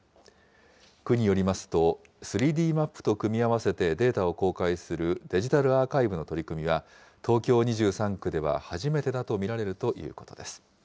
区によりますと、３Ｄマップと組み合わせてデータを公開するデジタルアーカイブの取り組みは、東京２３区では初めてだと見られるということです。